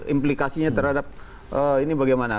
implikasinya terhadap ini bagaimana